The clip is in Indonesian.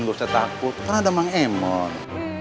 nggak usah takut kan ada emang emon